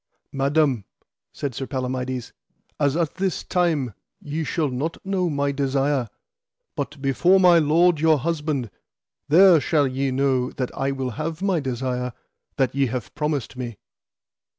Madam, said Sir Palamides, as at this time, ye shall not know my desire, but before my lord your husband there shall ye know that I will have my desire that ye have promised me.